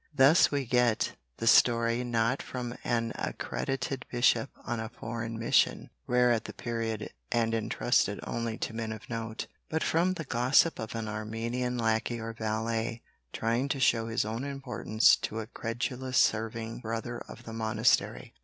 Thus we get the story not from an accredited Bishop on a foreign mission rare at the period and entrusted only to men of note but from the gossip of an Armenian lacquey or valet, trying to show his own importance to a credulous serving brother of the monastery.